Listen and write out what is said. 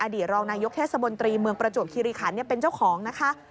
ดีตรองนายกเทศบนตรีเมืองประจวบคิริขันเป็นเจ้าของนะคะ